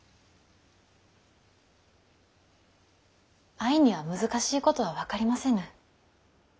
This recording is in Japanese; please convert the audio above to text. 愛には難しいことは分かりませぬ。